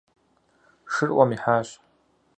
Шыр ӏуэм ихьащ.